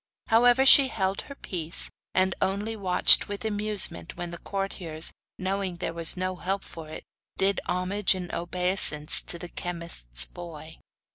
However, she held her peace, and only watched with amusement when the courtiers, knowing there was no help for it, did homage and obeisance to the chemist's boy.